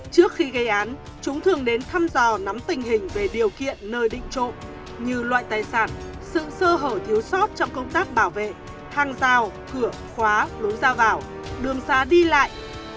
trước khi gây án chúng thường đến thăm dò nắm tình hình về điều kiện nơi định trộm như loại tài sản sự sơ hở thiếu sót trong công tác bảo vệ thang rào cửa khóa lối ra vào đường xa đi lại